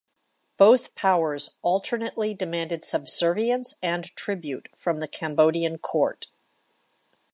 Both powers alternately demanded subservience and tribute from the Cambodian court.